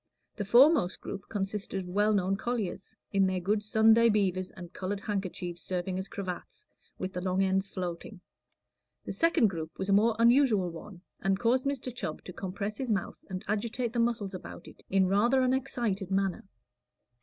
The foremost group consisted of well known colliers, in their good Sunday beavers and colored handkerchiefs serving as cravats, with the long ends floating. The second group was a more unusual one, and caused Mr. Chubb to compress his mouth and agitate the muscles about it in rather an excited manner.